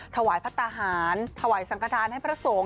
ถวายพระทหารถวายสังขทานให้พระสงฆ์